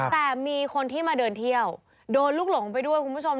แต่มีคนที่มาเดินเที่ยวโดนลูกหลงไปด้วยคุณผู้ชม